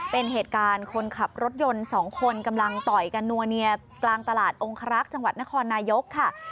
เป็นเหตุการณ์คนขับรถยนต์สองคนกำลังต่อยกันนัวเนียกลางตลาดองครักษ์จังหวัดนครนายกค่ะ